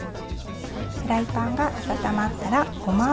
フライパンが温まったらごま油。